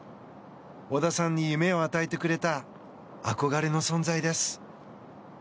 小田さんに夢を与えてくれた憧れの存在です。